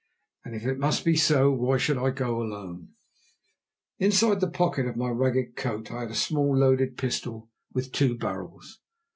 And if it must be so, why should I go alone? In the inside pocket of my ragged coat I had a small loaded pistol with two barrels.